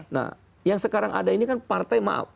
nah yang sekarang ada ini kan partai maaf